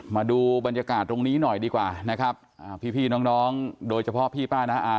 มาดูบรรยากาศตรงนี้หน่อยดีกว่านะครับอ่าพี่น้องน้องโดยเฉพาะพี่ป้าน้าอา